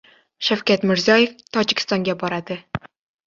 Shavkat Mirziyoev Tojikistonga boradi